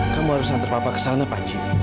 kamu harus antar papa ke sana pak cik